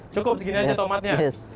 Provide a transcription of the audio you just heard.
cukup segini aja tomatnya